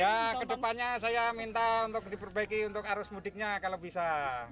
ya kedepannya saya minta untuk diperbaiki untuk arus mudiknya kalau bisa